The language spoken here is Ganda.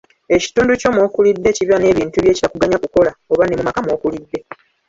Ekitundu kyo ky'okuliddemu kiba n'ebintu bye kitakuganya kukola oba ne mu maka mw'okulidde.